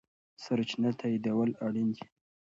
سرچینه تاییدول اړین دي.